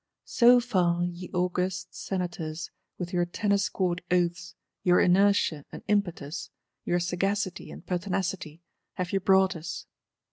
So far, ye august Senators, with your Tennis Court Oaths, your inertia and impetus, your sagacity and pertinacity, have ye brought us.